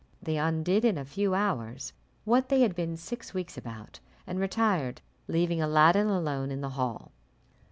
They undid in a few hours what they had been six weeks about, and retired, leaving Aladdin alone in the hall.